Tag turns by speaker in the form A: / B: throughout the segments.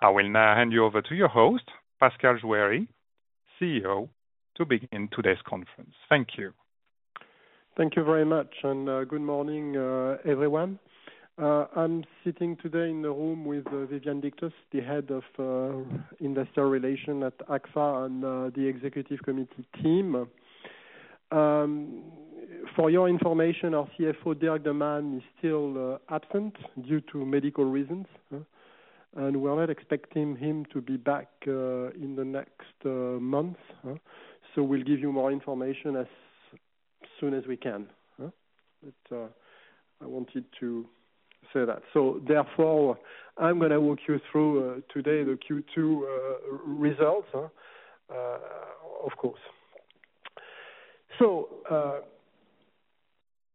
A: I will now hand you over to your host, Pascal Juéry, CEO, to begin today's conference. Thank you.
B: Thank you very much, and good morning, everyone. I'm sitting today in the room with Viviane Dictus, the head of Investor Relations at Agfa, and the executive committee team. For your information, our CFO, Dirk De Man, is still absent due to medical reasons, and we're not expecting him to be back in the next month. We'll give you more information as soon as we can, but I wanted to say that. Therefore, I'm gonna walk you through today the Q2 results, of course.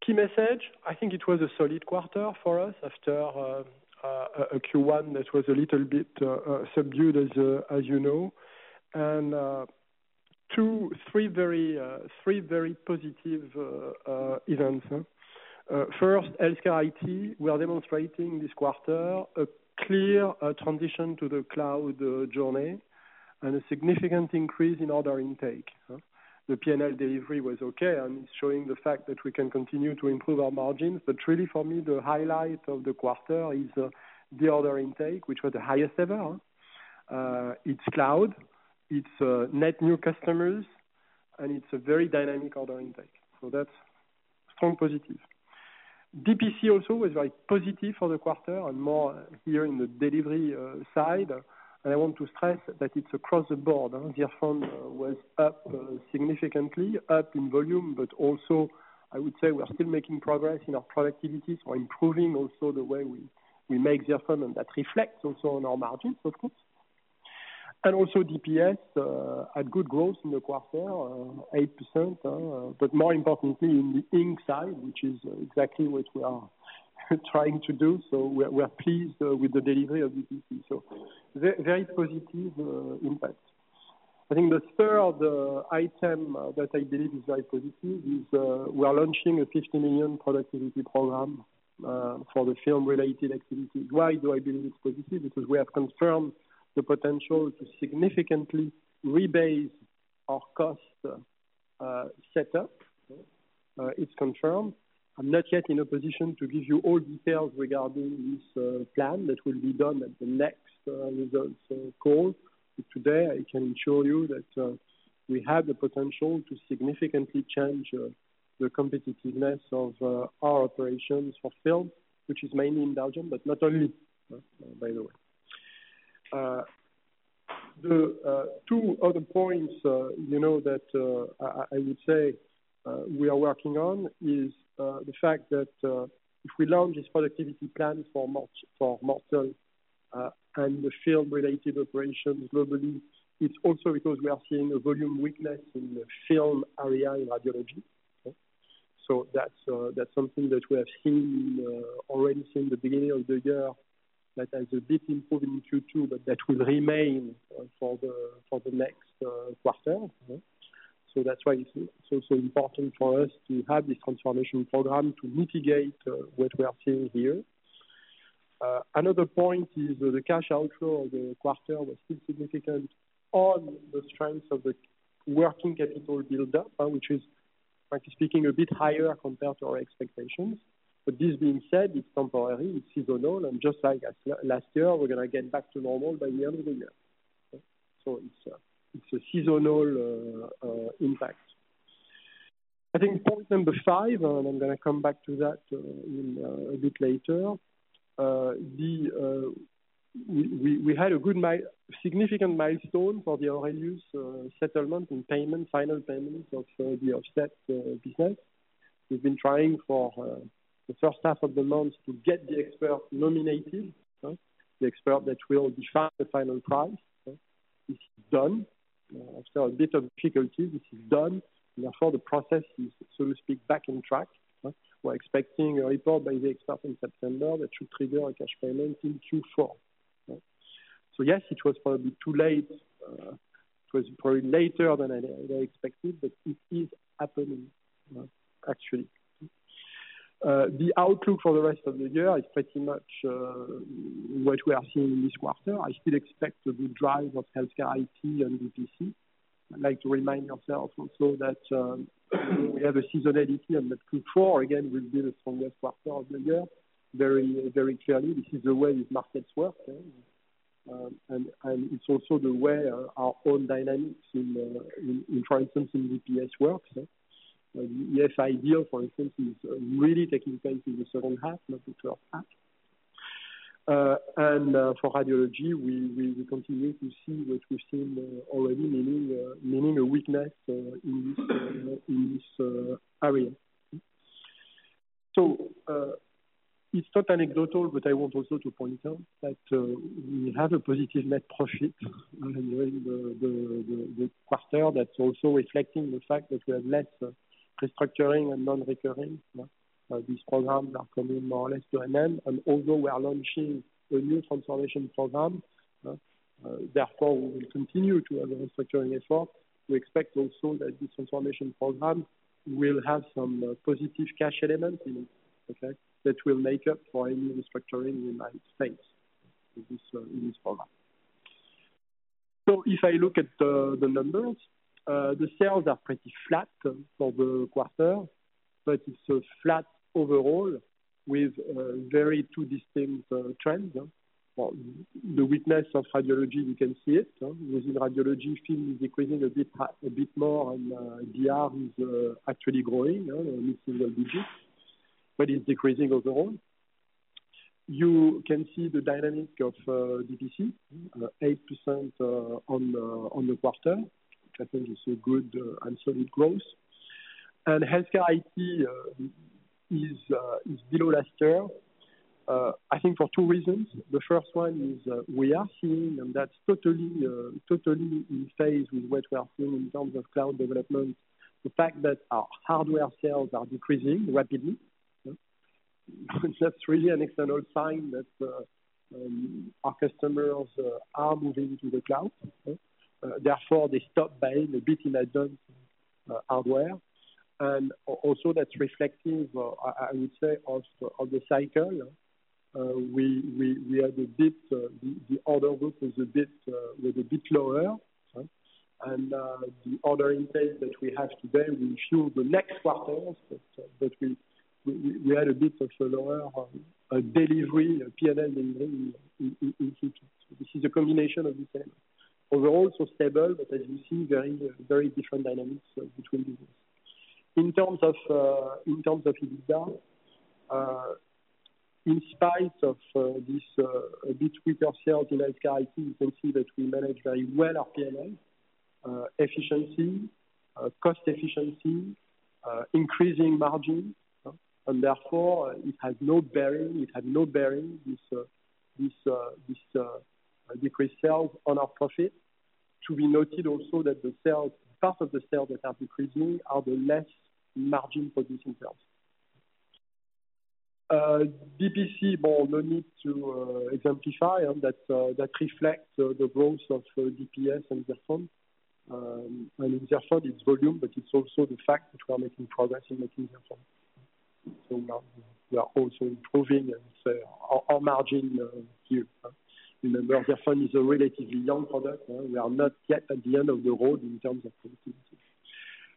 B: Key message, I think it was a solid quarter for us after a Q1 that was a little bit subdued, as you know, and two, three very positive events. First, Healthcare IT, we are demonstrating this quarter a clear transition to the cloud journey, and a significant increase in order intake. The PNL delivery was okay, and it's showing the fact that we can continue to improve our margins. But really, for me, the highlight of the quarter is the order intake, which was the highest ever. It's cloud, it's net new customers, and it's a very dynamic order intake, so that's strong positive. DPC also was very positive for the quarter and more here in the delivery side. And I want to stress that it's across the board, and the ink was up significantly, up in volume, but also, I would say we are still making progress in our productivity, so improving also the way we make the ink, and that reflects also on our margins, of course. And also DPS had good growth in the quarter, 8%, but more importantly, in the ink side, which is exactly what we are trying to do, so we're pleased with the delivery of DPC. So very positive impact. I think the third item that I believe is very positive is we are launching a 50 million productivity program for the film-related activities. Why do I believe it's positive? Because we have confirmed the potential to significantly rebase our cost setup. It's confirmed. I'm not yet in a position to give you all details regarding this plan. That will be done at the next results call. But today, I can assure you that we have the potential to significantly change the competitiveness of our operations for film, which is mainly in Belgium, but not only, by the way. The two other points, you know, that I would say we are working on is the fact that if we launch this productivity plan for March, for Mortsel, and the film-related operations globally, it's also because we are seeing a volume weakness in the film area, in radiology. So that's something that we have already seen since the beginning of the year, that has a big improvement in Q2, but that will remain for the next quarter. So that's why it's also important for us to have this transformation program to mitigate what we are seeing here. Another point is the cash outflow of the quarter was still significant on the strength of the working capital buildup, which is, frankly speaking, a bit higher compared to our expectations. But this being said, it's temporary, it's seasonal, and just like as last year, we're gonna get back to normal by the end of the year. It's a seasonal impact. I think point number five, and I'm gonna come back to that in a bit later. We had a significant milestone for the Aurelius settlement and payment, final payment of the offset business. We've been trying for the H1 of the month to get the expert nominated, the expert that will define the final price. This is done. After a bit of difficulty, this is done. Therefore, the process is, so to speak, back on track. We're expecting a report by the expert in September that should trigger a cash payment in Q4. So yes, it was probably too late, it was probably later than I expected, but it is happening, actually. The outlook for the rest of the year is pretty much what we are seeing in this quarter. I still expect a good drive of healthcare, IT, and DPC. I'd like to remind ourselves also that we have a seasonality, and that Q4, again, will be the strongest quarter of the year. Very, very clearly, this is the way these markets work, and it's also the way our own dynamics in, for instance, in DPS works. Yes, ideal, for instance, is really taking place in the H2, not the H1. For radiology, we will continue to see what we've seen already, meaning a weakness in this area. So, it's not anecdotal, but I want also to point it out, that we have a positive net profit during the quarter. That's also reflecting the fact that we have less restructuring and non-recurring, these programs are coming more or less to an end. Although we are launching a new transformation program, therefore, we will continue to have a restructuring effort. We expect also that this transformation program will have some positive cash elements in it, okay? That will make up for any restructuring in the United States, in this program. If I look at the numbers, the sales are pretty flat for the quarter, but it's a flat overall with very two distinct trends. The weakness of radiology, you can see it, so within radiology, film is decreasing a bit, a bit more, and DR is actually growing, you know, in single digits, but it's decreasing overall. You can see the dynamic of DPC, 8% on the quarter. I think it's a good and solid growth. HealthCare IT is below last year, I think for two reasons. The first one is, we are seeing, and that's totally in phase with what we are seeing in terms of cloud development, the fact that our hardware sales are decreasing rapidly. So that's really an external sign that our customers are moving to the cloud, okay? Therefore, they stop buying a bit in advance hardware, and also that's reflective, I would say, of the cycle. We had a bit, the other group was a bit lower, right? The other impact that we have today will show the next quarters, but we had a bit of a lower delivery, PNL delivery in Q2. This is a combination of the same. Overall, so stable, but as you see, very, very different dynamics between business. In terms of, in terms of EBITDA, in spite of this a bit weaker sales in healthcare IT, you can see that we manage very well our PNL efficiency, cost efficiency, increasing margin, and therefore it has no bearing, it had no bearing, this decreased sales on our profit. To be noted also that the sales, part of the sales that are decreasing are the less margin-producing sales. DPC, well, no need to exemplify, and that reflects the growth of DPS and ZIRFON. And ZIRFON, it's volume, but it's also the fact that we are making progress in making ZIRFON. We are also improving, and so our margin here. Remember, Xertone is a relatively young product. We are not yet at the end of the road in terms of productivity.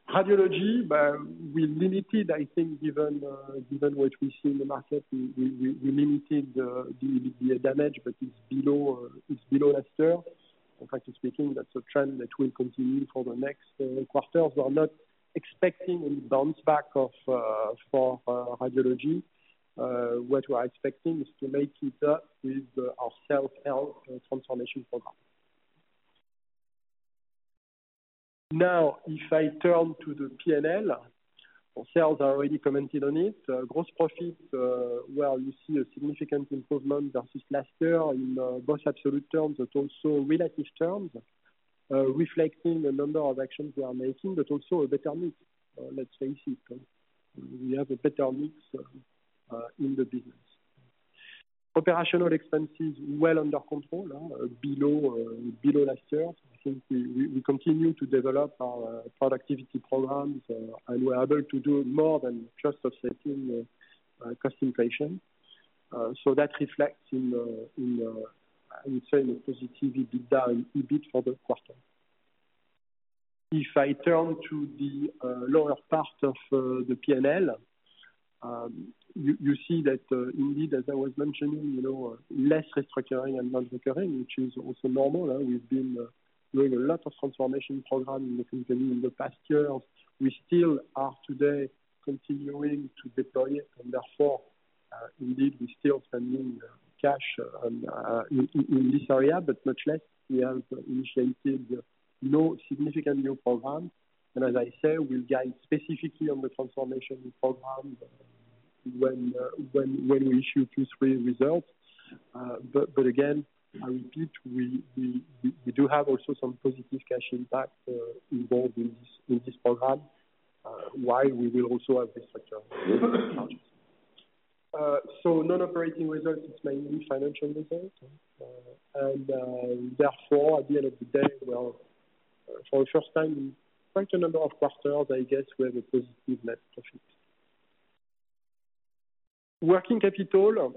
B: Radiology, we limited, I think, given what we see in the market, the damage, but it's below last year. In fact, that's a trend that will continue for the next quarters. We are not expecting a bounce back for radiology. What we are expecting is to make it up with our self-help and transformation program. Now, if I turn to the PNL, for sales, I already commented on it. Gross profit, well, you see a significant improvement versus last year in both absolute terms, but also relative terms, reflecting the number of actions we are making, but also a better mix, let's say it. We have a better mix in the business. Operational expenses well under control, below last year. I think we continue to develop our productivity programs, and we are able to do more than just offsetting cost inflation. So that reflects in, I would say, in a positive EBITDA, EBIT for the quarter. If I turn to the lower part of the PNL, you see that, indeed, as I was mentioning, you know, less restructuring and non-recurring, which is also normal. We've been doing a lot of transformation program in the company in the past years. We still are today continuing to deploy it, and therefore, indeed, we're still spending cash on in this area. But much less, we have initiated no significant new programs. And as I said, we'll guide specifically on the transformation program when we issue Q3 results. But again, I repeat, we do have also some positive cash impact involved in this program, while we will also have the structure. So non-operating results, it's mainly financial results. And therefore, at the end of the day, well, for the first time in quite a number of quarters, I guess, we have a positive net profit. Working capital,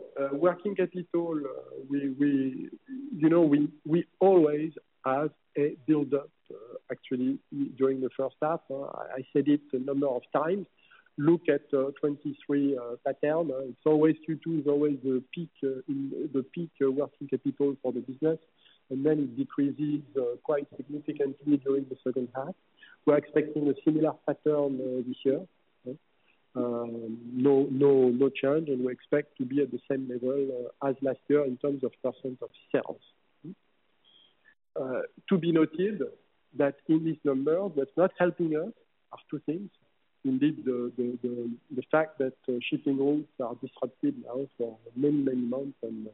B: we you know we always have a build-up actually during the H1. I said it a number of times. Look at 2023 pattern. It's always Q2 is always the peak in the peak working capital for the business, and then it decreases quite significantly during the H2. We're expecting a similar pattern this year. No change, and we expect to be at the same level as last year in terms of % of sales. To be noted that in this number that's not helping us are two things. Indeed, the fact that shipping routes are disrupted now for many months, and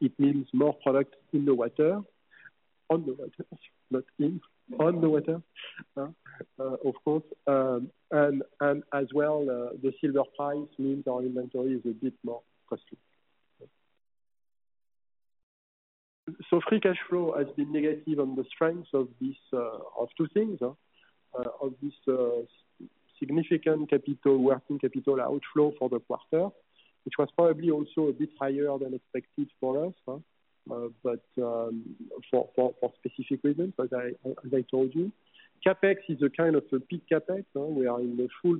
B: it means more product in the water, on the water, not in, on the water of course. The silver price means our inventory is a bit more costly. So free cash flow has been negative on the strength of this, of two things, of this significant capital working capital outflow for the quarter, which was probably also a bit higher than expected for us, huh? But for specific reasons, but as I told you, CapEx is a kind of a peak CapEx. Now we are in the full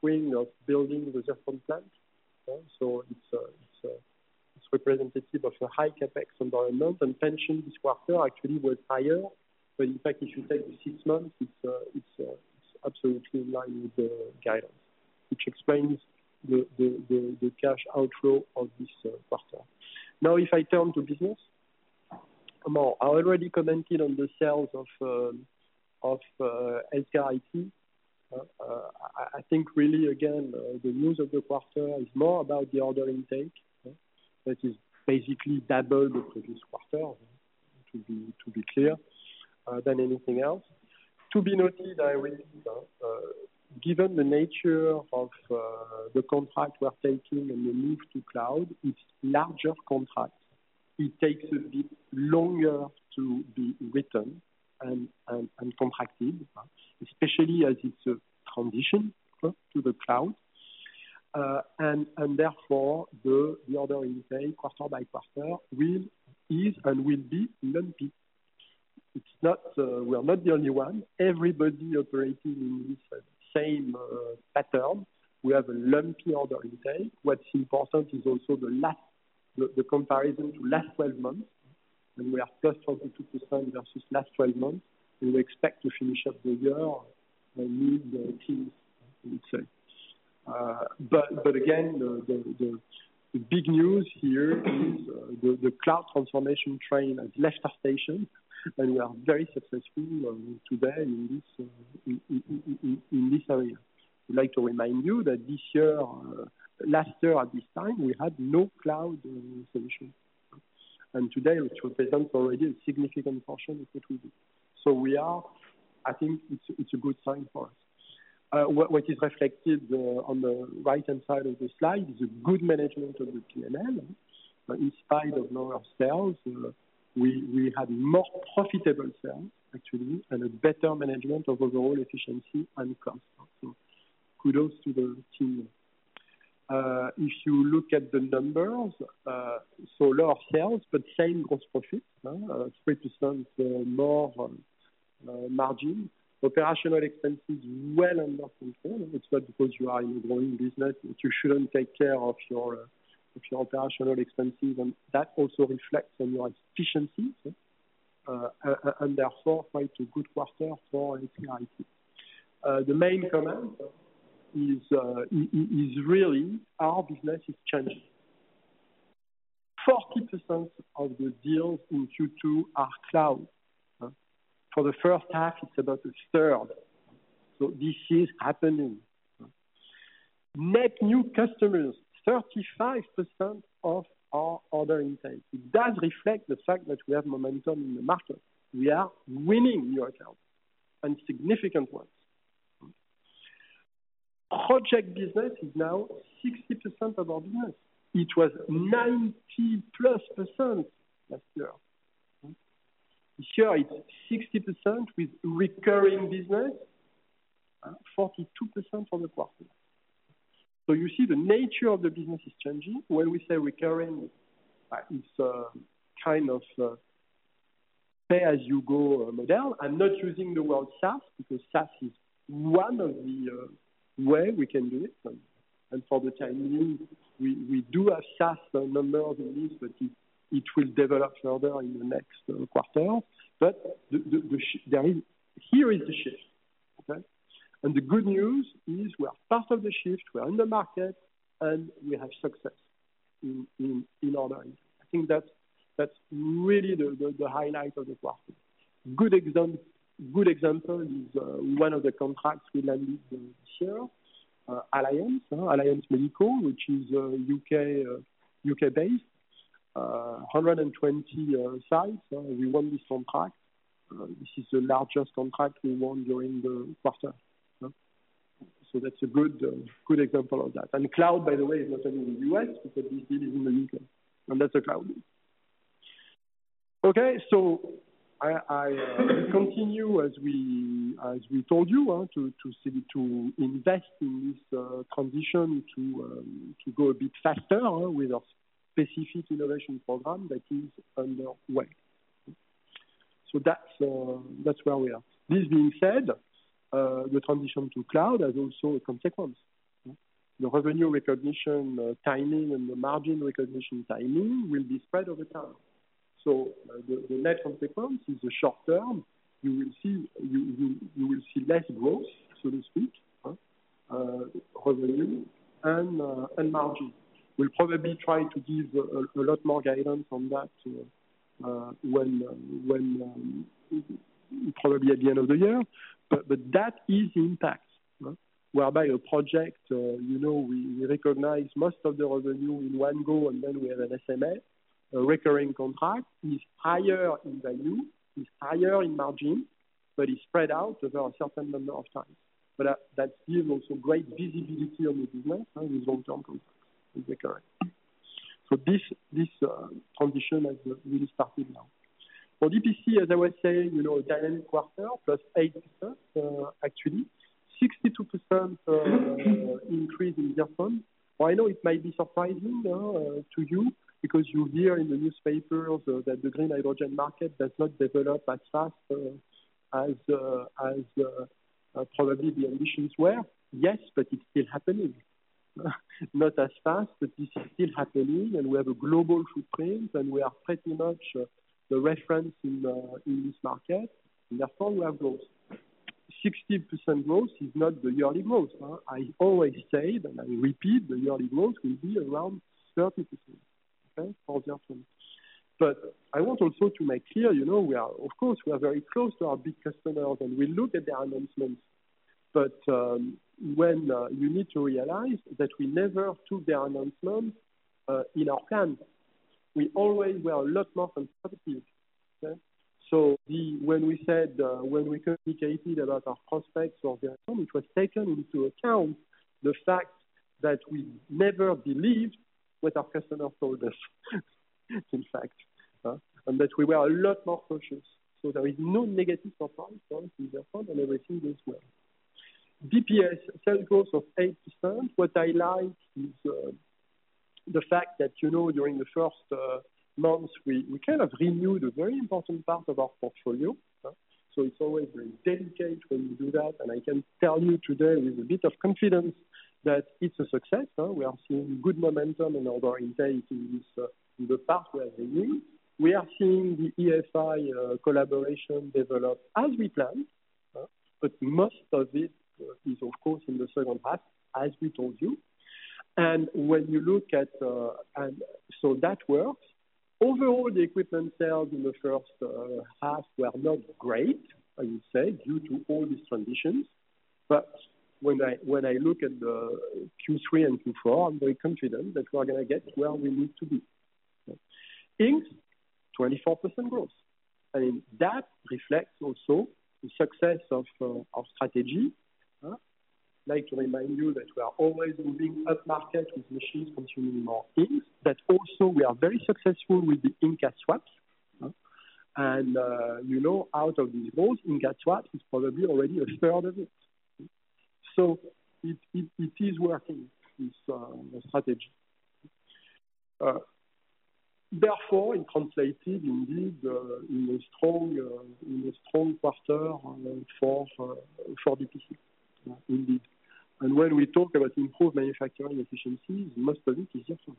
B: swing of building the different plants. So it's representative of a high CapEx environment, and pension this quarter actually was higher. But in fact, if you take the six months, it's absolutely in line with the guidance, which explains the cash outflow of this quarter. Now, if I turn to business, well, I already commented on the sales of HCIT. I think really, again, the news of the quarter is more about the order intake that is basically doubled the previous quarter, to be clear, than anything else. To be noted, I will, given the nature of the contract we're taking and the move to cloud, it's larger contracts. It takes a bit longer to be written and contracted, especially as it's a transition to the cloud. And therefore, the order intake, quarter by quarter, will, is, and will be lumpy. It's not, we are not the only one. Everybody operating in this same pattern, we have a lumpy order intake. What's important is also the last comparison to last twelve months, and we are plus 22% versus last twelve months, and we expect to finish up the year with the team, I would say. But again, the big news here is the cloud transformation train has left our station, and we are very successful today in this area. I'd like to remind you that this year, last year at this time, we had no cloud solution. And today, which represents already a significant portion of what we do. So we are, I think it's a good sign for us. What is reflected on the right-hand side of the slide is a good management of the PMM. But in spite of lower sales, we had more profitable sales, actually, and a better management of overall efficiency and cost. So kudos to the team. If you look at the numbers, so lower sales, but same gross profit, 3% more margin. Operational expenses, well under control. It's not because you are in a growing business, that you shouldn't take care of your operational expenses, and that also reflects on your efficiency and therefore, quite a good quarter for HCIT. The main comment is really our business is changing. 40% of the deals in Q2 are cloud for the H1, it's about a third. So this is happening. Net new customers, 35% of our order intake. It does reflect the fact that we have momentum in the market. We are winning new accounts and significant ones. Project business is now 60% of our business. It was 90+% last year. This year, it's 60% with recurring business, 42% for the quarter. So you see the nature of the business is changing. When we say recurring, it's kind of pay-as-you-go model. I'm not using the word SaaS, because SaaS is one of the way we can do it. And for the time being, we do have SaaS, a number of it, but it will develop further in the next quarter. But there is the shift, okay? And the good news is we are part of the shift, we are in the market, and we have success in order. I think that's really the highlight of the quarter. Good example is one of the contracts we landed this year, Alliance Medical, which is U.K.-based, 120 sites. We won this contract. This is the largest contract we won during the quarter, so that's a good example of that and cloud, by the way, is not only in the U.S., but this deal is in the U.K., and that's a cloud. Okay, so I continue as we told you to invest in this transition to go a bit faster with a specific innovation program that is underway, so that's where we are. This being said, the transition to cloud has also a consequence. The revenue recognition timing and the margin recognition timing will be spread over time. So the net consequence is the short term, you will see less growth, so to speak, revenue and margin. We'll probably try to give a lot more guidance on that when probably at the end of the year, but that is impact. Whereby a project, you know, we recognize most of the revenue in one go, and then we have an SMA. A recurring contract is higher in value, is higher in margin, but is spread out over a certain number of times. But that gives also great visibility on the business, and with long-term contracts is recurring. So this transition has really started now. For DPC, as I was saying, you know, dynamic quarter, 8+%, actually. 62% increase in their fund. I know it might be surprising to you because you hear in the newspapers that the green hydrogen market does not develop as fast as probably the ambitions were. Yes, but it's still happening. Not as fast, but this is still happening, and we have a global footprint, and we are pretty much the reference in this market, and therefore, we have growth. 60% growth is not the yearly growth. I always say, and I repeat, the yearly growth will be around 30%, okay? For ZIRFON. But I want also to make clear, you know, we are of course very close to our big customers, and we look at their announcements, but when you need to realize that we never took the announcement in our hands. We always were a lot more conservative, okay? So when we said, when we communicated about our prospects of the outcome, it was taken into account the fact that we never believed what our customer told us, in fact, and that we were a lot more cautious, so there is no negative surprise from ZIRFON, and everything goes well. DPS sales growth of 8%. What I like is, the fact that, you know, during the first months, we kind of renewed a very important part of our portfolio, so it's always very delicate when you do that, and I can tell you today with a bit of confidence that it's a success, we are seeing good momentum in order intake in this, in the past where we are seeing. We are seeing the EFI collaboration develop as we planned, but most of it is, of course, in the second half, as we told you, and when you look at, and so that works. Overall, the equipment sales in the first half were not great, I would say, due to all these transitions, but when I look at the Q3 and Q4, I'm very confident that we are gonna get where we need to be. Inks, 24% growth, and that reflects also the success of our strategy. I'd like to remind you that we are always moving upmarket with machines consuming more inks, but also we are very successful with the ink swap, and, you know, out of the whole ink swap is probably already a third of it. So it is working, this strategy. Therefore, it translated indeed in a strong quarter for DPC. Indeed. When we talk about improved manufacturing efficiency, most of it is different,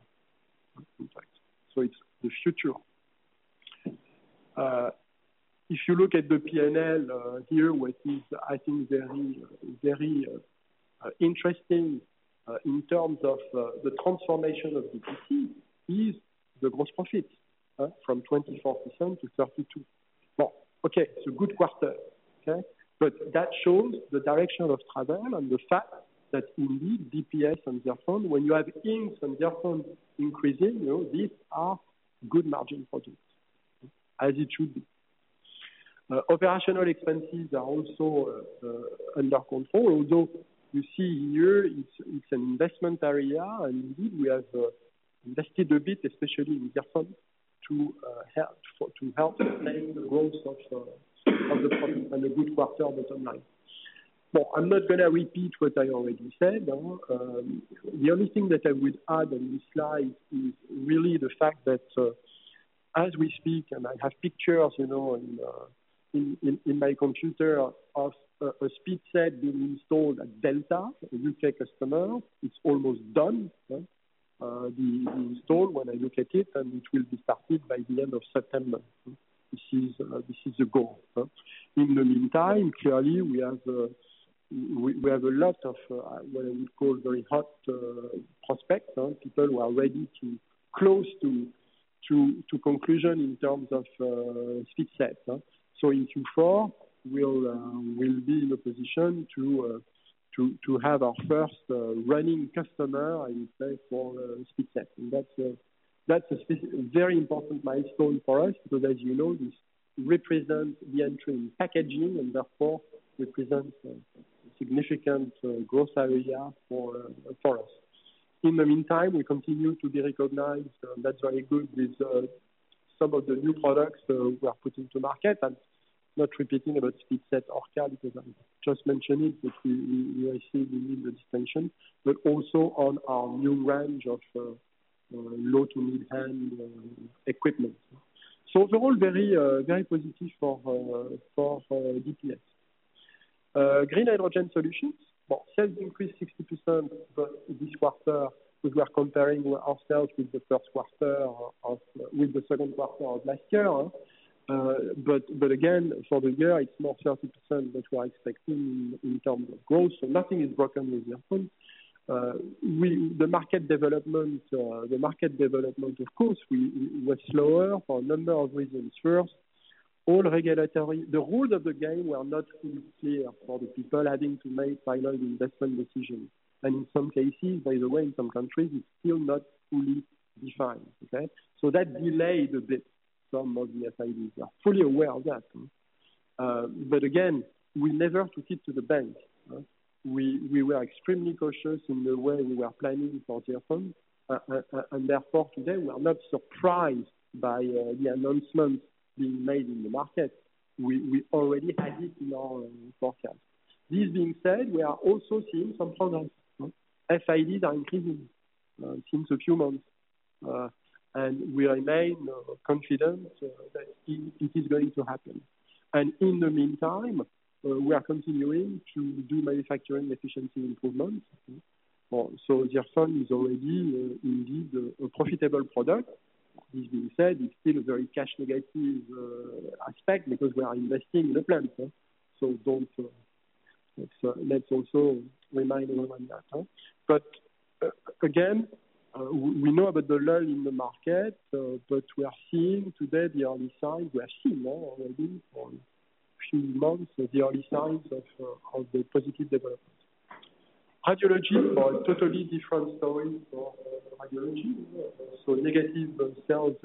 B: in fact, so it's the future. If you look at the PNL here, what I think is very, very interesting in terms of the transformation of DPC is the gross profit from 24% to 32%. Okay, it's a good quarter, okay? But that shows the direction of travel and the fact that indeed DPS and ZIRFON, when you have inks and ZIRFON increasing, you know, these are good margin products, as it should be. Operational expenses are also under control, although you see here, it's an investment area, and indeed we have invested a bit, especially in ZIRFON to help explain the growth of the product and a good quarter bottom line. So I'm not gonna repeat what I already said. The only thing that I would add on this slide is really the fact that as we speak, and I have pictures, you know, on my computer of a SpeedSet being installed at Delta, a U.K. customer. It's almost done, the install, when I look at it, and it will be started by the end of September. This is the goal. In the meantime, clearly, we have a lot of what I would call very hot prospects, people who are ready to close to conclusion in terms of SpeedSet. So in Q4, we'll be in a position to have our first running customer, I would say, for SpeedSet. And that's a very important milestone for us, because as you know, this represents the entry in packaging and therefore represents a significant growth area for us. In the meantime, we continue to be recognized, and that's very good with some of the new products we are putting to market. I'm not repeating about SpeedSet Orca, because I just mentioned it, but we are seeing the extension, but also on our new range of low to mid-range equipment. So overall, very positive for DPS. Green Hydrogen Solutions. Well, sales increased 60%, but this quarter, we are comparing ourselves with the second quarter of last year. But again, for the year, it's more 30% that we are expecting in terms of growth, so nothing is broken with ZIRFON. The market development, of course, was slower for a number of reasons. First of all, regulatory, the rules of the game were not fully clear for the people having to make final investment decisions. In some cases, by the way, in some countries, it's still not fully defined, okay? So that delayed a bit some of the activities. We are fully aware of that. But again, we never took it to the bank, right? We were extremely cautious in the way we were planning for DR fund, and therefore, today, we are not surprised by the announcement being made in the market. We already had it in our forecast. This being said, we are also seeing some problems. FIDs are increasing since a few months, and we remain confident that it is going to happen. In the meantime, we are continuing to do manufacturing efficiency improvements. DR fund is already indeed a profitable product. This being said, it's still a very cash negative aspect, because we are investing in the plan, so let's also remind everyone that. But again, we know about the lull in the market, but we are seeing today the early sign. We are seeing more already for a few months, the early signs of the positive development. Radiology are a totally different story for radiology. So negative sales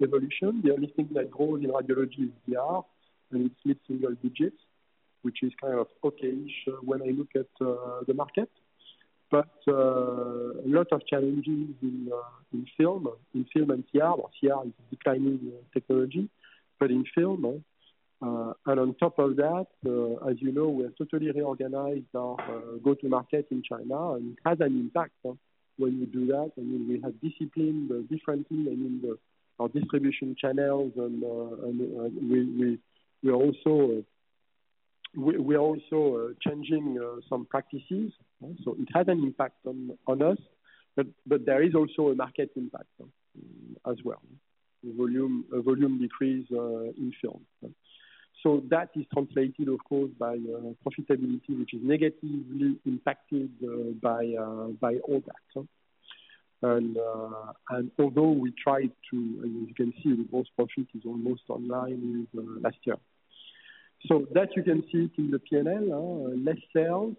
B: evolution, the only thing that grows in radiology is DR, and it's mid-single digits, which is kind of okay-ish when I look at the market. But a lot of challenges in film and CR. CR is declining technology, but in film, and on top of that, as you know, we have totally reorganized our go-to-market in China, and it has an impact when you do that. I mean, we have disciplined the different team, I mean, the our distribution channels, and we are also changing some practices. It has an impact on us, but there is also a market impact as well. The volume decrease in film. That is translated, of course, by profitability, which is negatively impacted by all that. Although we tried to, and you can see the gross profit is almost in line with last year. That you can see it in the P&L, less sales,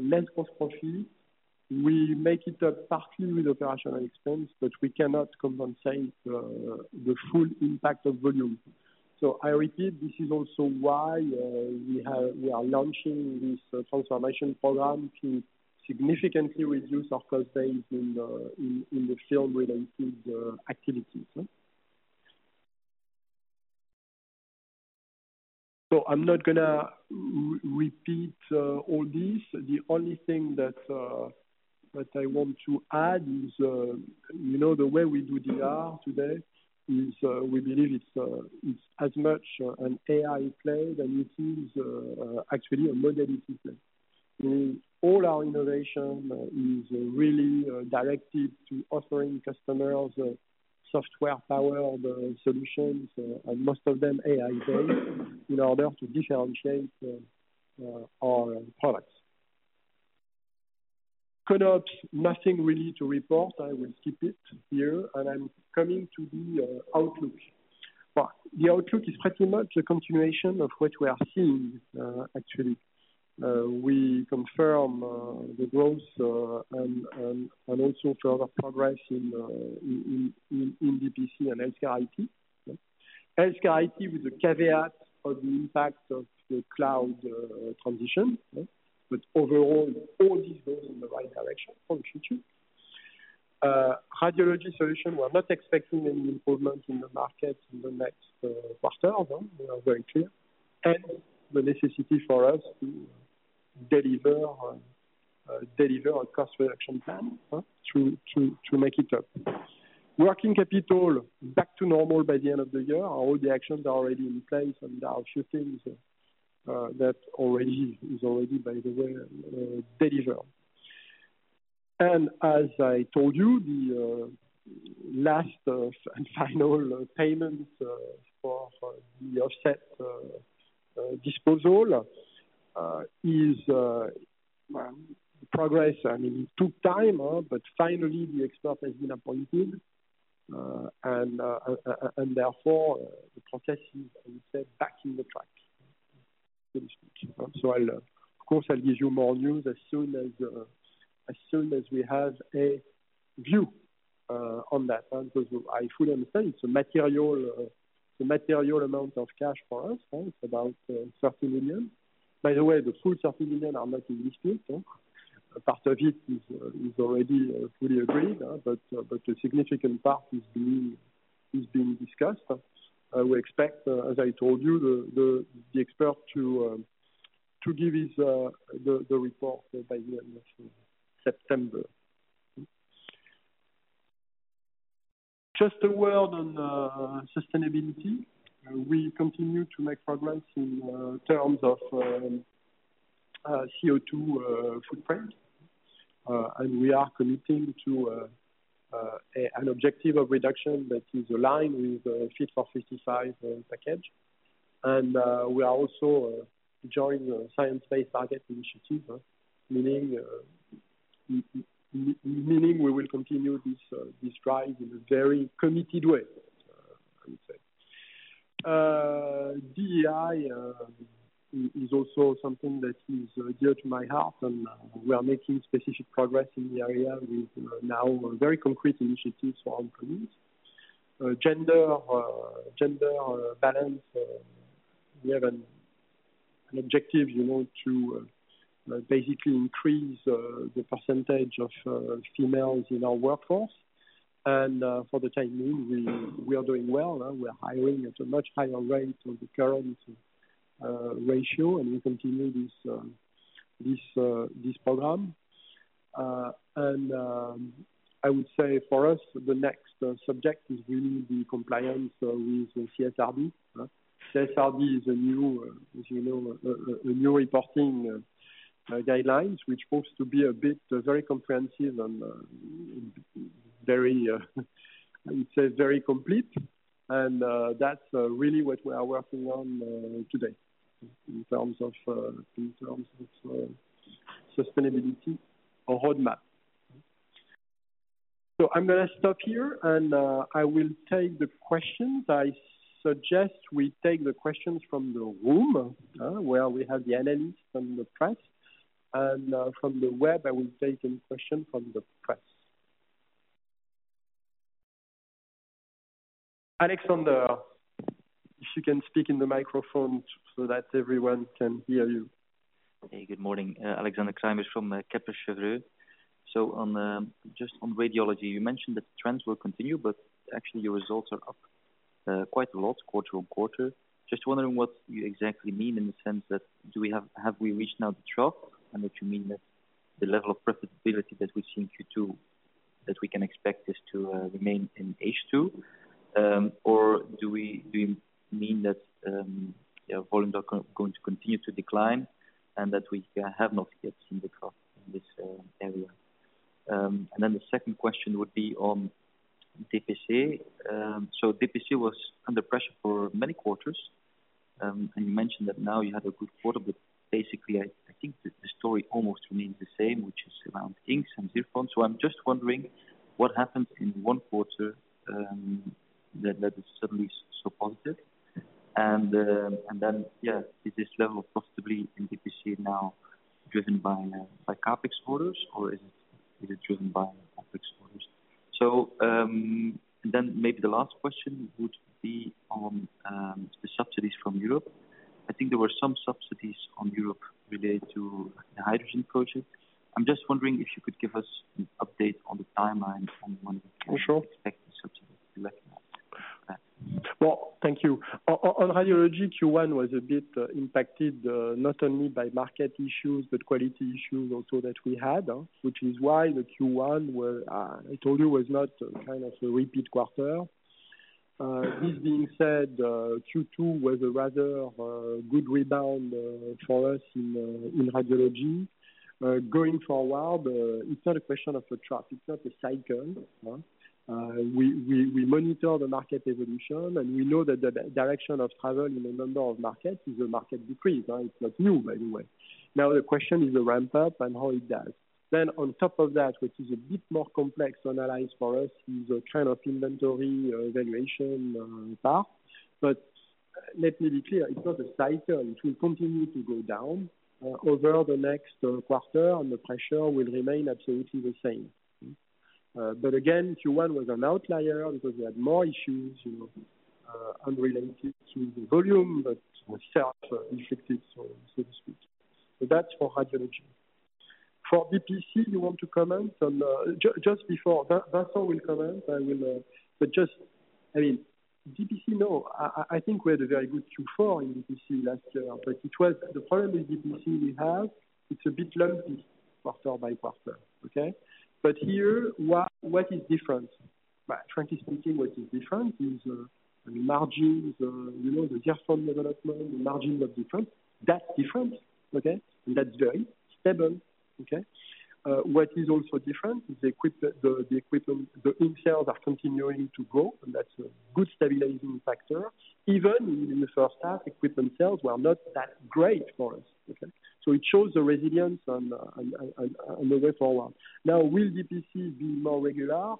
B: less gross profit. We make it up partly with operational expense, but we cannot compensate the full impact of volume. So I repeat, this is also why we are launching this transformation program to significantly reduce our cost base in the film-related activities. I'm not gonna repeat all this. The only thing that I want to add is, you know, the way we do DR today is we believe it's as much an AI play, then it is actually a modernity play. All our innovation is really directed to offering customers a software power of the solutions, and most of them AI-based, in order to differentiate our products. Conops, nothing really to report. I will skip it here, and I'm coming to the outlook. But the outlook is pretty much a continuation of what we are seeing, actually. We confirm the growth and also further progress in BPC and Healthcare IT. Healthcare IT, with the caveat of the impact of the cloud transition, but overall, all these goes in the right direction for the future. Radiology Solutions, we're not expecting any improvement in the market in the next quarter, though. We are very clear, and the necessity for us to deliver our cost reduction plan to make it up. Working capital, back to normal by the end of the year. All the actions are already in place, and our shifting is that already, is already, by the way, delivered. As I told you, the last and final payment for the offset disposal is well in progress. I mean, it took time, but finally, the expert has been appointed, and therefore, the process is, I would say, back on track. So of course, I will give you more news as soon as we have a view on that, because I fully understand it is a material amount of cash for us. It is about 30 million. By the way, the full 30 million are not in this week. Part of it is already fully agreed, but a significant part is being discussed. We expect, as I told you, the expert to give his report by the end of September. Just a word on sustainability. We continue to make progress in terms of CO2 footprint, and we are committing to an objective of reduction that is aligned with Fit for 55 package. We are also joined the Science Based Targets initiative, meaning we will continue this drive in a very committed way, I would say. DEI is also something that is dear to my heart, and we are making specific progress in the area with now very concrete initiatives for our employees. Gender balance, we have an objective, you know, to basically increase the percentage of females in our workforce. For the time being, we are doing well. We are hiring at a much higher rate than the current ratio, and we continue this program. I would say for us, the next subject is really the compliance with the CSRD. CSRD is a new, as you know, reporting guidelines, which proves to be a bit very comprehensive and it's very complete. That's really what we are working on today in terms of sustainability or roadmap. So I'm gonna stop here, and I will take the questions. I suggest we take the questions from the room, where we have the analysts from the press and, from the web, I will take the question from the press. Alexander, if you can speak in the microphone so that everyone can hear you.
C: Hey, good morning. Alexander Kremer from Hauck Aufhäuser Lampe. So on, just on radiology, you mentioned that trends will continue, but actually, your results are up, quite a lot quarter on quarter. Just wondering what you exactly mean in the sense that have we reached now the trough, and that you mean that the level of profitability that we've seen Q2, that we can expect this to remain in H2? Or do we, do you mean that volumes are going to continue to decline and that we have not yet seen the trough in this area? And then the second question would be on DPC. So DPC was under pressure for many quarters. And you mentioned that now you had a good quarter, but basically, I think the story almost remains the same, which is around inks and ZIRFON. So I'm just wondering what happened in one quarter that is suddenly so positive? And then, is this level of positivity in DPC now driven by CapEx orders, or is it driven by CapEx orders? So, and then maybe the last question would be on the subsidies from Europe. I think there were some subsidies from Europe related to the hydrogen project. I'm just wondering if you could give us an update on the timeline on when-
B: Oh, sure.
C: expect the subsidies to be recognized.
B: Thank you. On radiology, Q1 was a bit impacted, not only by market issues, but quality issues also that we had, which is why the Q1 were, I told you, was not kind of a repeat quarter. This being said, Q2 was a rather good rebound for us in radiology. Going forward, it's not a question of a trough, it's not a cycle, huh? We monitor the market evolution, and we know that the direction of travel in a number of markets is a market decrease. It's not new, by the way. Now, the question is the ramp up and how it does. Then on top of that, which is a bit more complex to analyze for us, is a kind of inventory valuation path. But let me be clear, it's not a cycle. It will continue to go down over the next quarter, and the pressure will remain absolutely the same. But again, Q1 was an outlier because we had more issues, you know, unrelated to the volume, but with self-inflicted, so to speak. So that's for Healthcare IT. For DPC, you want to comment on... Just before, Vincent will comment, I will, but just, I mean, DPC, no, I think we had a very good Q4 in DPC last year, but it was, the problem with DPC we have, it's a bit lumpy, quarter by quarter, okay? But here, what is different? Frankly speaking, what is different is the margins, you know, the gross margin development, the margins are different. That's different, okay? That's very stable, okay? What is also different is the equipment, the ink sales are continuing to grow, and that's a good stabilizing factor. Even in the first half, equipment sales were not that great for us, okay? So it shows the resilience on the way forward. Now, will DPC be more regular?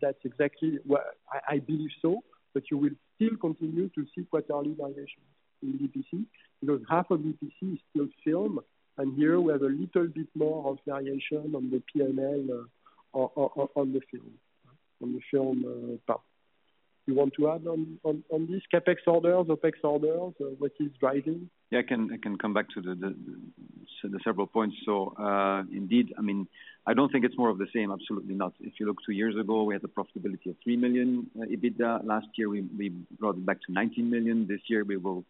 B: That's exactly what I believe so, but you will still continue to see quarterly variations in DPC, because half of DPC is still film, and here we have a little bit more of variation on the PNL on the film path. You want to add on this CapEx orders, OpEx orders, what is driving?
D: Yeah, I can come back to the several points. So, indeed, I mean, I don't think it's more of the same, absolutely not. If you look two years ago, we had the profitability of three million EBITDA. Last year, we brought it back to 19 million. This year, we will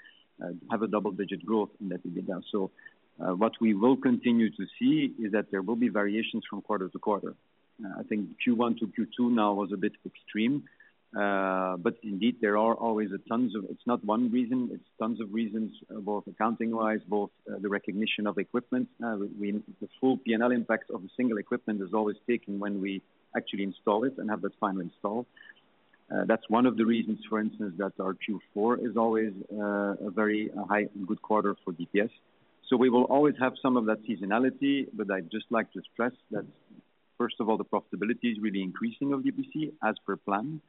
D: have a double-digit growth in that EBITDA. So, what we will continue to see is that there will be variations from quarter to quarter. I think Q1 to Q2 now was a bit extreme. But indeed, there are always tons of reasons. It's not one reason, it's tons of reasons, both accounting-wise, both the recognition of equipment. The full PNL impact of a single equipment is always taken when we actually install it and have that finally installed. That's one of the reasons, for instance, that our Q4 is always a very high and good quarter for DPS. So we will always have some of that seasonality, but I'd just like to stress that first of all, the profitability is really increasing of DPC as per plan,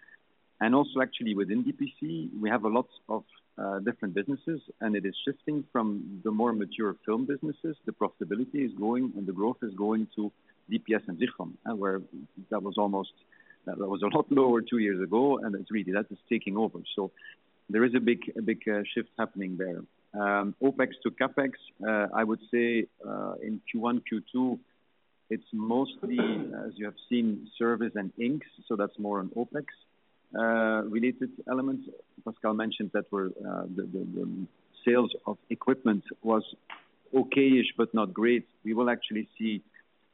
D: and also actually within DPC, we have a lot of different businesses, and it is shifting from the more mature film businesses. The profitability is growing and the growth is going to DPS and ZIRFON, and where that was almost, that was a lot lower two years ago, and it's really, that is taking over. So there is a big shift happening there. OpEx to CapEx, I would say, in Q1, Q2, it's mostly as you have seen, service and inks, so that's more on OpEx related elements. Pascal mentioned that we're the sales of equipment was okay-ish, but not great. We will actually see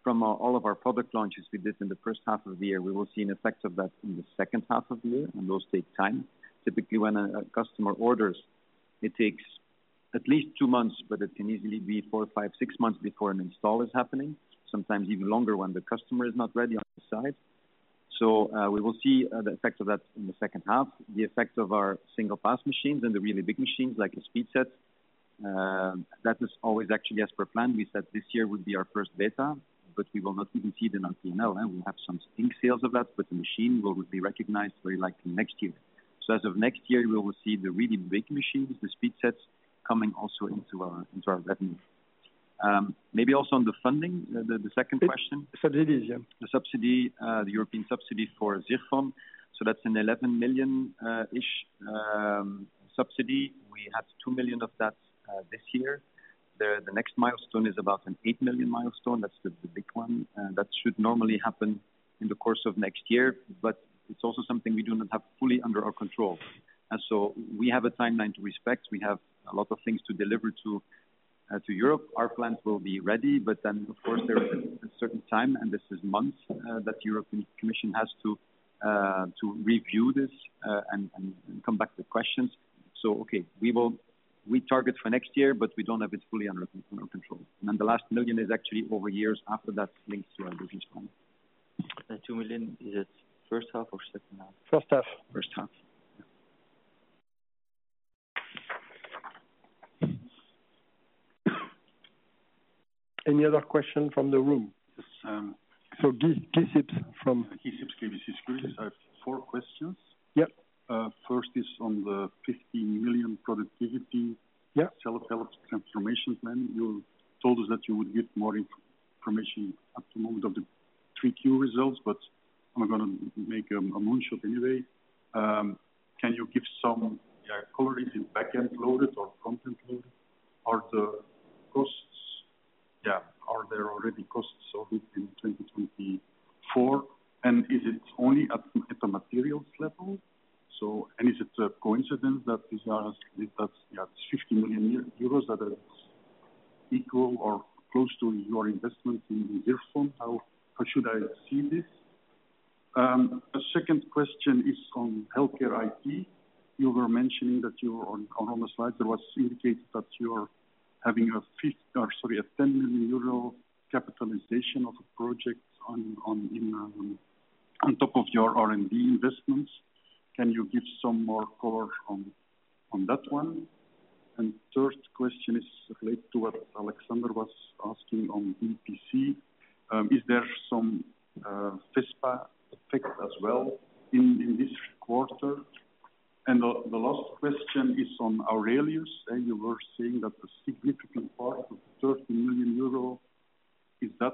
D: from all of our product launches we did in the first half of the year, we will see an effect of that in the second half of the year, and those take time. Typically, when a customer orders, it takes at least two months, but it can easily be four, five, six months before an install is happening, sometimes even longer when the customer is not ready on the side. So, we will see the effect of that in the second half. The effect of our single pass machines and the really big machines, like the SpeedSet, that was always actually as per plan. We said this year would be our first beta, but we will not even see them on P&L, and we have some ink sales of that, but the machine will be recognized very likely next year. So as of next year, we will see the really big machines, the SpeedSet, coming also into our revenue. Maybe also on the funding, the second question?
B: Subsidies, yeah.
D: The subsidy, the European subsidy for ZIRFON, that's an 11 million-ish subsidy. We have 2 million of that this year. The next milestone is about an 8 million milestone. That's the big one, and that should normally happen in the course of next year, but it's also something we do not have fully under our control. We have a timeline to respect. We have a lot of things to deliver to Europe. Our plans will be ready, but then, of course, there is a certain time, and this is months, that the European Commission has to review this and come back with questions. Okay, we target for next year, but we don't have it fully under control and then the last million is actually over years after that links to our.
B: The two million, is it first half or second half?
D: First half.
B: First half. Any other questions from the room?
E: Yes, um-
B: So, Guy Sips from-
E: Sips, KBC Securities. I have four questions.
B: Yep.
E: First is on the fifty million productivity-
B: Yeah.
E: Self-help transformation plan. You told us that you would give more information at the moment of the 3Q results, but I'm gonna make them a moonshot anyway. Can you give some color? Is it back-end loaded or front-end loaded? Are the costs... Yeah. Are there already costs over in 2024? And is it only at the materials level? So, and is it a coincidence that these are 50 million euros, that is equal or close to your investment in ZIRFON? How should I see this? The second question is on healthcare IT. You were mentioning that on the slide, there was indicated that you're having a 10 million euro capitalization of a project on top of your R&D investments. Can you give some more color on that one? And the third question is related to what Alexander was asking on EPC. Is there some FESPA effect as well in this quarter? And the last question is on Aurelius, and you were saying that a significant part of the 30 million euros, is that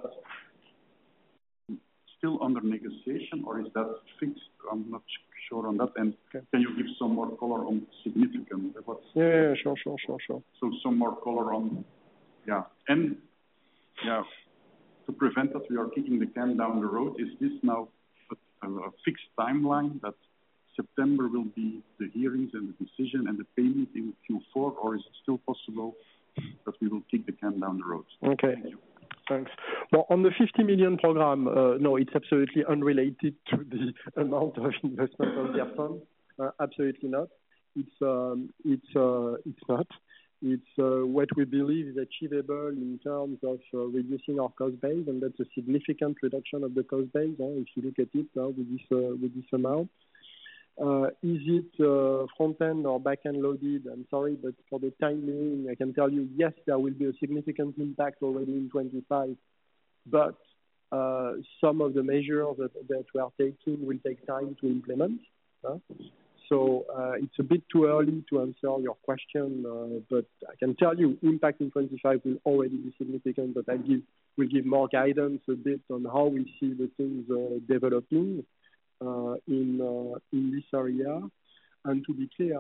E: still under negotiation or is that fixed? I'm not sure on that. And-
B: Okay.
E: Can you give some more color on significant? What's-
B: Yeah, yeah, sure, sure, sure, sure.
E: Some more color on... Yeah. And, yeah, to prevent that we are kicking the can down the road, is this now a fixed timeline, that September will be the hearings and the decision and the payment in Q4, or is it still possible that we will kick the can down the road?
B: Okay.
E: Thank you.
B: Thanks. On the 50 million program, no, it's absolutely unrelated to the amount of investment on ZIRFON. Absolutely not. It's not. It's what we believe is achievable in terms of reducing our cost base, and that's a significant reduction of the cost base, if you look at it, with this amount. Is it front-end or back-end loaded? I'm sorry, but for the timing, I can tell you, yes, there will be a significant impact already in 2025. But some of the measures that we are taking will take time to implement, so it's a bit too early to answer your question, but I can tell you, impact in 2025 will already be significant, but we'll give more guidance a bit on how we see the things developing in this area. To be clear,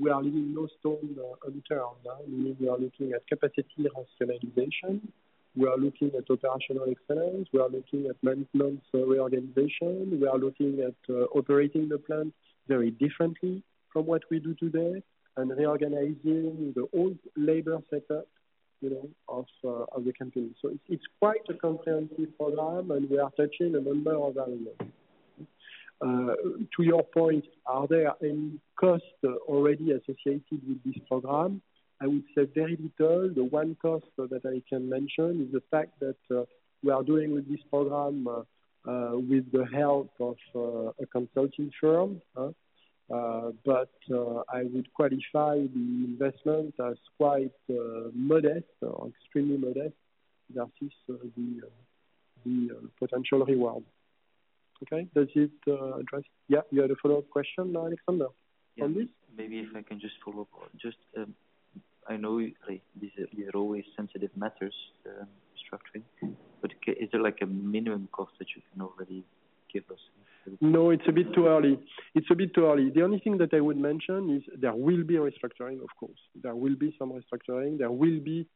B: we are leaving no stone unturned. We are looking at capacity utilization. We are looking at operational excellence. We are looking at management reorganization. We are looking at operating the plant very differently from what we do today and reorganizing the old labor setup, you know, of the company. So it's quite a comprehensive program, and we are touching a number of elements. To your point, are there any costs already associated with this program? I would say very little. The one cost that I can mention is the fact that we are doing with this program with the help of a consulting firm, but I would qualify the investment as quite modest or extremely modest versus the potential reward. Okay. Does it address- Yeah, you had a follow-up question now, Alexander, on this?
C: Maybe if I can just follow up on just, I know, like, these are always sensitive matters, structuring, but is there like a minimum cost that you can already give us?
B: No, it's a bit too early. It's a bit too early. The only thing that I would mention is there will be restructuring, of course. There will be some restructuring. There will be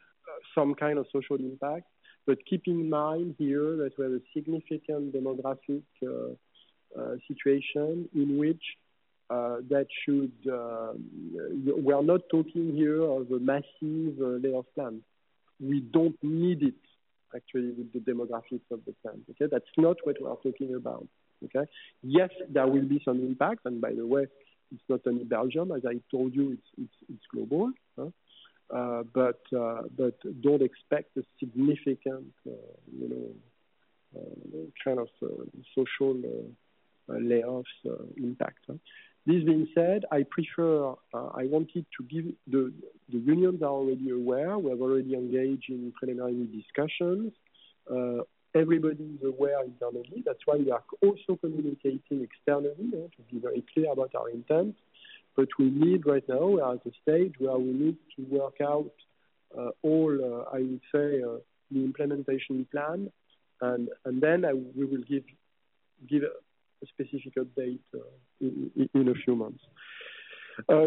B: some kind of social impact. But keep in mind here that we have a significant demographic situation in which that should. We are not talking here of a massive layoff plan. We don't need it, actually, with the demographics of the plant. Okay? That's not what we are talking about, okay? Yes, there will be some impact, and by the way, it's not only Belgium, as I told you, it's global. But don't expect a significant you know kind of social layoffs impact. This being said, I prefer, I wanted to give the, the unions are already aware. We have already engaged in preliminary discussions. Everybody is aware internally, that's why we are also communicating externally to be very clear about our intent. But we need right now, at the stage where we need to work out all, I would say, the implementation plan, and then we will give a specific update in a few months.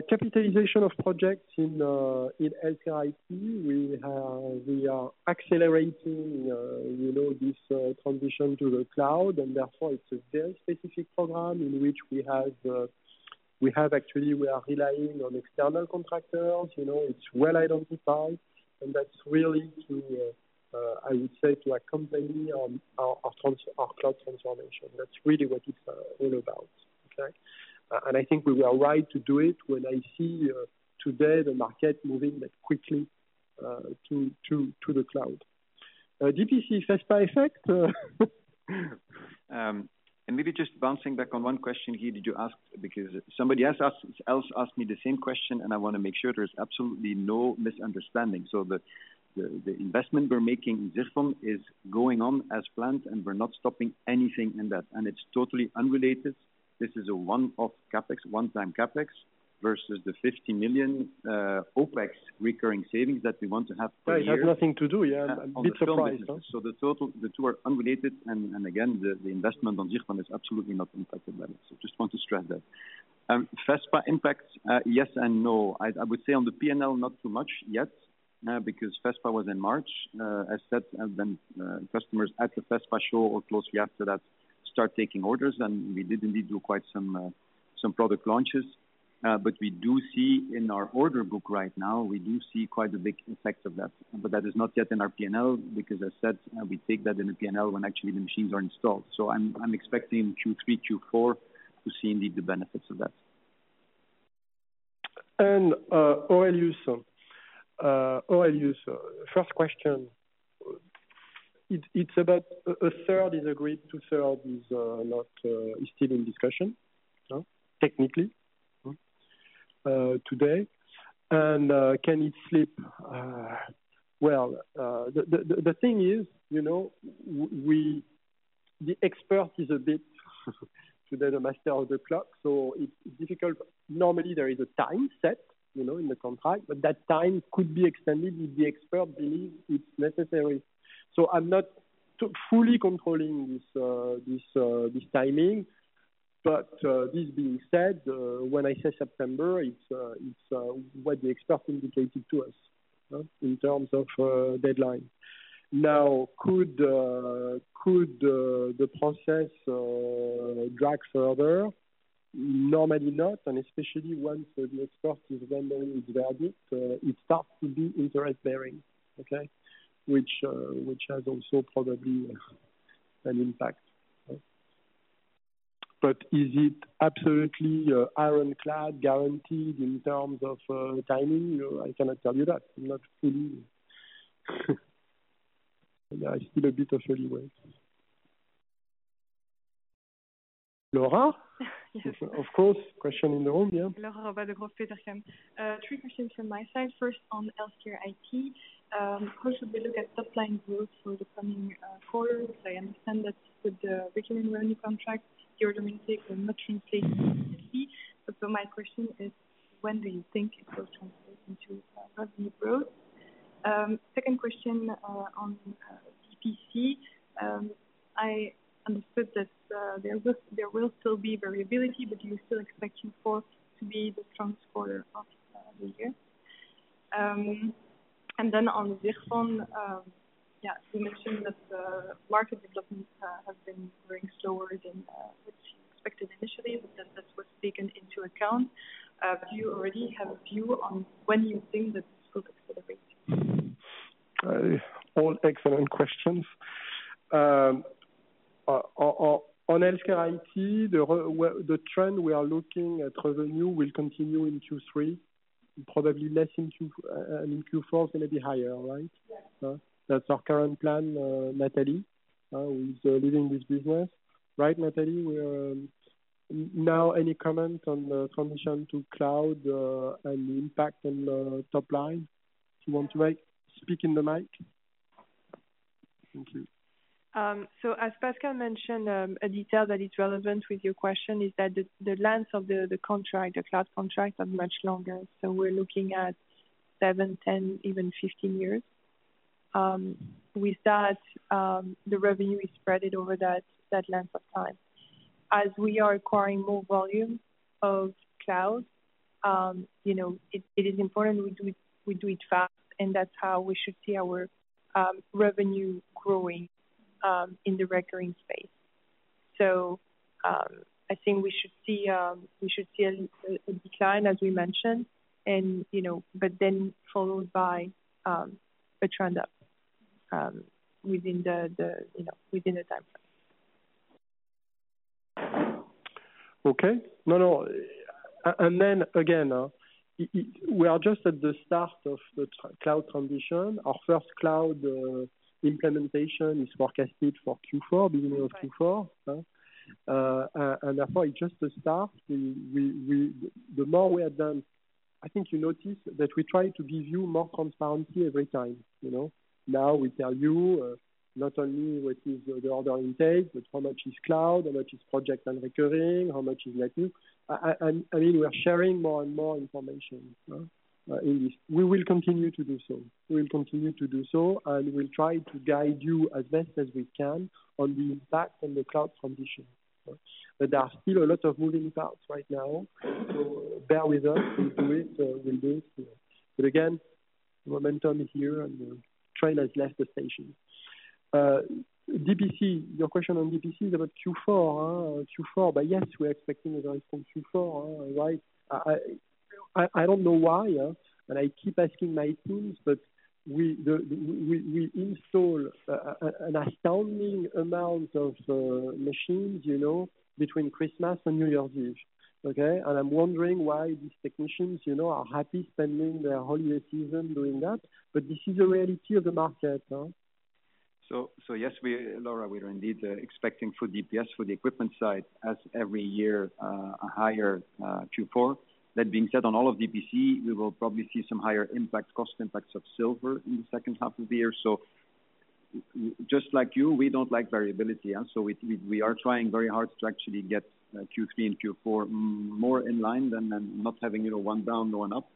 B: Capitalization of projects in HealthCare IT, we have, we are accelerating, you know, this transition to the cloud, and therefore, it's a very specific program in which we have actually we are relying on external contractors, you know, it's well identified, and that's really to, I would say to accompany on our cloud transformation. That's really what it's all about, okay? And I think we were right to do it when I see today the market moving that quickly to the cloud. DPC FESPA effect?
D: And maybe just bouncing back on one question here that you asked, because somebody else asked me the same question, and I want to make sure there's absolutely no misunderstanding. So the investment we're making in ZIRFON is going on as planned, and we're not stopping anything in that, and it's totally unrelated. This is a one-off CapEx, one-time CapEx versus the 50 million EUR OpEx recurring savings that we want to have per year.
B: It has nothing to do. Yeah, a bit surprised, huh?
D: So the total, the two are unrelated, and again, the investment on ZIRFON is absolutely not impacted by that. So just want to stress that. FESPA impact, yes and no. I would say on the P&L, not too much yet, because FESPA was in March. As said, and then, customers at the FESPA show or closely after that, start taking orders, and we did indeed do quite some product launches. But we do see in our order book right now, we do see quite a big effect of that. But that is not yet in our P&L because as I said, we take that in the P&L when actually the machines are installed. So I'm expecting Q3, Q4 to see indeed the benefits of that.
B: Oil use. Oil use, first question. It's about one-third is agreed, two-thirds is not, is still in discussion, technically today. Can it slip? Well, the thing is, you know, the expert is today the master of the clock, so it's difficult. Normally, there is a time set, you know, in the contract, but that time could be extended if the expert believes it's necessary. So I'm not fully controlling this timing. But this being said, when I say September, it's what the expert indicated to us in terms of deadline. Now, could the process drag further? Normally not, and especially once the expert is rendering his verdict, it starts to be interest bearing, okay? Which has also probably an impact, but is it absolutely ironclad guaranteed in terms of timing? I cannot tell you that. Not fully. Yeah, it's still a bit early days. Laura?
F: Yes.
B: Of course, question in the room, yeah.
F: Laura Roba of Degroof Petercam. Three questions from my side. First, on the Healthcare IT, how should we look at top line growth for the coming quarters? I understand that with the recurring revenue contract, your domestic are not in place. But so my question is: When do you think it will translate into revenue growth? Second question, on DTC. I understood that there will still be variability, but you still expect Q4 to be the strong quarter of the year. And then on ZIRFON, yeah, you mentioned that the market development has been growing slower than what you expected initially, but that this was taken into account. Do you already have a view on when you think that this will accelerate?
B: All excellent questions. On Healthcare IT, well, the trend we are looking at revenue will continue in Q3. Probably less in Q4, it's gonna be higher, right? That's our current plan, Nathalie, who's leading this business. Right, Nathalie? Now any comment on the transition to cloud and the impact on the top line? If you want to speak in the mic. Thank you.
G: So as Pascal mentioned, a detail that is relevant with your question is that the length of the contract, the cloud contracts are much longer. So we're looking at seven, 10, even 15 years. With that, the revenue is spread over that length of time. As we are acquiring more volume of cloud, you know, it is important we do it fast, and that's how we should see our revenue growing in the recurring space. So I think we should see a decline, as we mentioned, and, you know, but then followed by a trend up within the time frame.
B: We are just at the start of the cloud transition. Our first cloud implementation is forecasted for Q4-
G: Right.
B: Beginning of Q4, and therefore, it's just the start. The more we have done, I think you notice that we try to give you more transparency every time, you know? Now we tell you, not only what is the order intake, but how much is cloud, how much is project and recurring, how much is licensing. I mean, we are sharing more and more information in this. We will continue to do so, and we'll try to guide you as best as we can on the impact on the cloud transition. But there are still a lot of moving parts right now, so bear with us. We'll do it. But again, the momentum is here, and the train has left the station. DPC, your question on DPC is about Q4, Q4. But, yes, we're expecting a rise from Q4, right? I don't know why, but I keep asking my teams, but we install an astounding amount of machines, you know, between Christmas and New Year's Eve, okay? And I'm wondering why these technicians, you know, are happy spending their holiday season doing that, but this is the reality of the market, no?
D: Yes, Laura, we are indeed expecting for DPS, for the equipment side, as every year, a higher Q4. That being said, on all of DPC, we will probably see some higher impact, cost impacts of silver in the second half of the year. So just like you, we don't like variability, so we are trying very hard to actually get Q3 and Q4 more in line than not having, you know, one down and one up.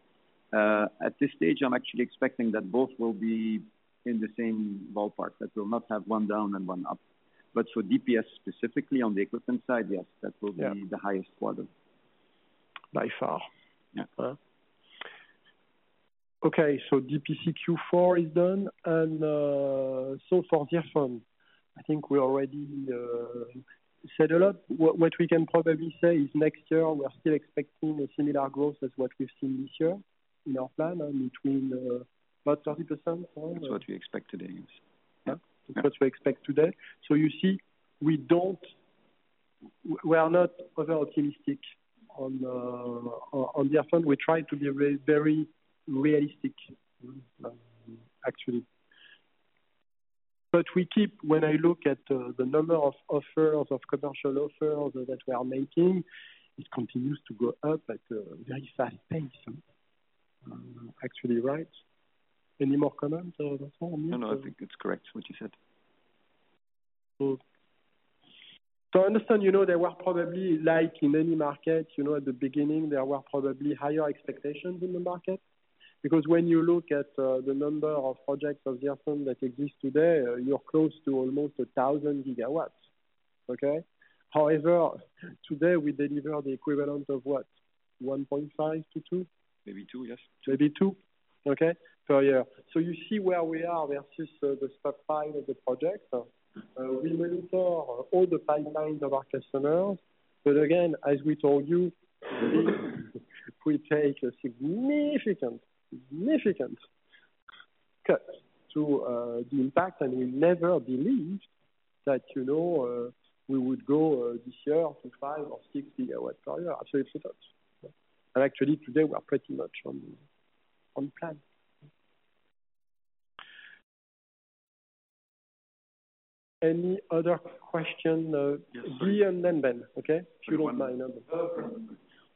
D: At this stage, I'm actually expecting that both will be in the same ballpark, that we'll not have one down and one up. But for DPS, specifically on the equipment side, yes, that will-
B: Yeah...
D: be the highest quarter.
B: By far.
D: Yeah.
B: Okay, so DPC Q4 is done, and so for different, I think we already said a lot. What we can probably say is next year, we are still expecting a similar growth as what we've seen this year in our plan, and between about 30% on-
D: That's what we expect today, yes.
B: Yeah. That's what we expect today. So you see, we don't. We are not over-optimistic on the effort. We try to be very realistic, actually. But we keep. When I look at the number of offers, of commercial offers that we are making, it continues to go up at a very fast pace, actually, right? Any more comments, Pascal, on this?
D: No, no, I think it's correct what you said.
B: So I understand, you know, there were probably, like in any market, you know, at the beginning, there were probably higher expectations in the market. Because when you look at the number of projects of the effort that exist today, you're close to almost a thousand gigawatts, okay? However, today, we deliver the equivalent of what, one point five to two?
D: Maybe two, yes.
B: Maybe two, okay, per year. So you see where we are versus the profile of the project. We will look for all the pipelines of our customers, but again, as we told you, we take a significant cut to the impact. And we never believed that, you know, we would go this year to five or six gigawatts per year. Absolutely not. And actually, today, we are pretty much on plan. Any other questions? Ian and Ben, okay? If you don't mind.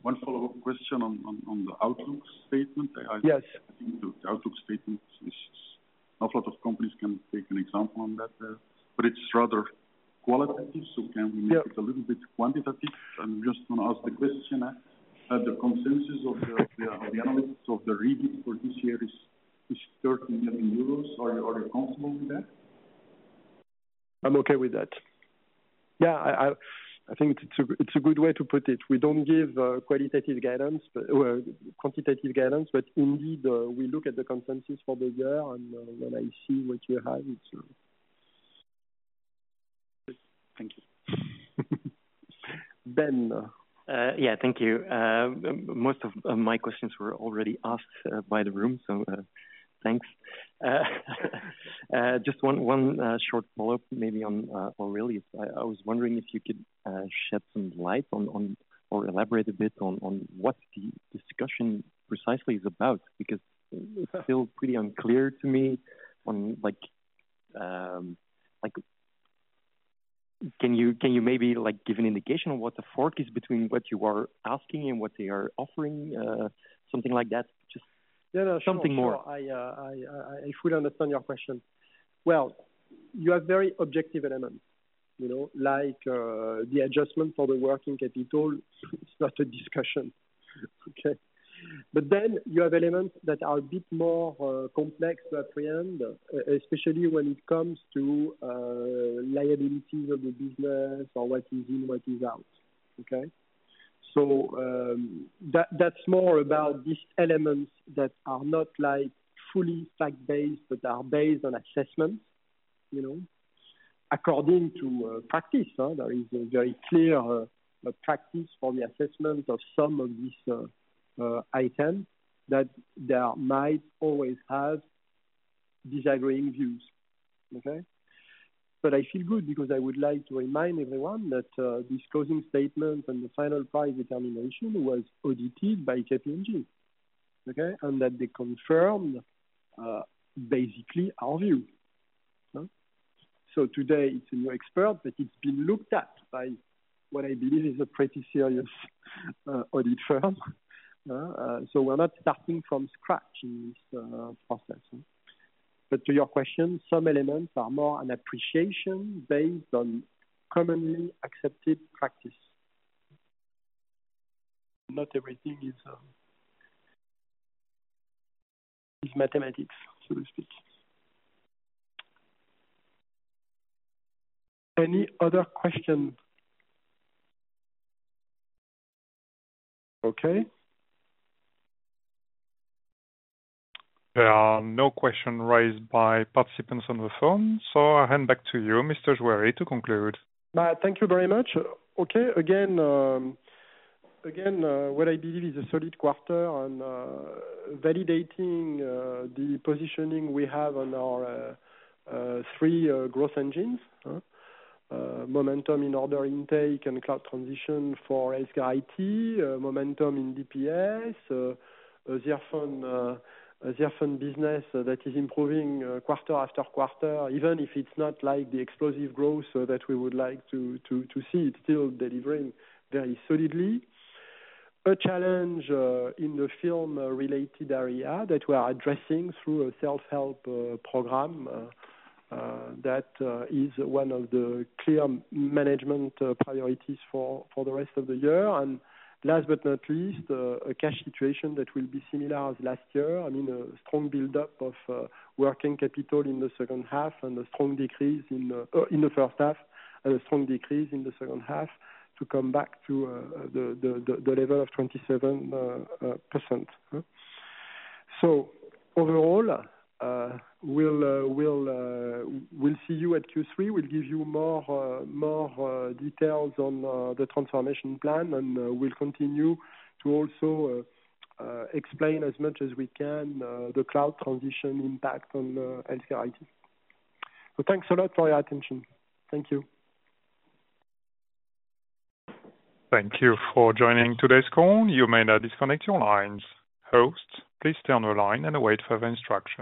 E: One follow-up question on the outlook statement.
B: Yes.
E: The outlook statement is, a lot of companies can take an example on that, but it's rather qualitative, so can we-
B: Yeah...
E: make it a little bit quantitative? I'm just gonna ask the question, the consensus of the analysts of the reading for this year is 13 million euros. Are you comfortable with that?
B: I'm okay with that. Yeah, I think it's a good way to put it. We don't give qualitative guidance, but quantitative guidance. But indeed, we look at the consensus for the year, and when I see what you have, it's...
E: Thank you.
B: Ben, uh.
G: Yeah, thank you. Most of my questions were already asked by the room, so thanks....
H: Just one short follow-up, maybe on Aurelius. I was wondering if you could shed some light on or elaborate a bit on what the discussion precisely is about, because it's still pretty unclear to me on like, like, can you maybe, like, give an indication of what the fork is between what you are asking and what they are offering? Something like that, just-
B: Yeah.
H: Something more.
B: If we understand your question, well, you have very objective elements, you know, like the adjustment for the working capital. It's not a discussion, okay, but then you have elements that are a bit more complex to apprehend, especially when it comes to liabilities of the business or what is in, what is out, okay? That's more about these elements that are not like fully fact-based, but are based on assessment, you know. According to practice, there is a very clear practice for the assessment of some of these items that there might always have disagreeing views, okay, but I feel good because I would like to remind everyone that this closing statement and the final price determination was audited by KPMG, okay, and that they confirmed basically our view. So today, it's a new expert, but it's been looked at by what I believe is a pretty serious audit firm. So we're not starting from scratch in this process. But to your question, some elements are more an appreciation based on commonly accepted practice. Not everything is mathematics, so to speak. Any other question? Okay.
A: There are no questions raised by participants on the phone, so I hand back to you, Mr. Juéry, to conclude.
B: Thank you very much. Okay, again, what I believe is a solid quarter and validating the positioning we have on our three growth engines, momentum in order intake and cloud transition for Healthcare IT, momentum in DPS, ZIRFON business that is improving quarter after quarter, even if it's not like the explosive growth so that we would like to see, it's still delivering very solidly. A challenge in the film-related area that we are addressing through a self-help program that is one of the clear management priorities for the rest of the year. And last but not least, a cash situation that will be similar as last year. I mean, a strong build-up of working capital in the second half and a strong decrease in the first half, and a strong decrease in the second half to come back to the level of 27%. So overall, we'll see you at Q3. We'll give you more details on the transformation plan, and we'll continue to also explain as much as we can the cloud transition impact on HCIT. So thanks a lot for your attention. Thank you.
A: Thank you for joining today's call. You may now disconnect your lines. Hosts, please stay on the line and await further instructions.